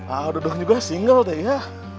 aduh dong juga single tehia